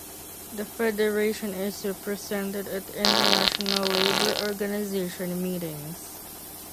The federation is represented at International Labour Organization meetings.